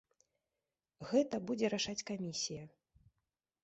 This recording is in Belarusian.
Гэта будзе рашаць камісія.